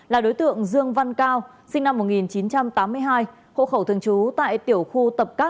là đối tượng dương văn cao sinh năm một nghìn chín trăm tám mươi hai hộ khẩu thường chú tại tiểu khu tập cát hai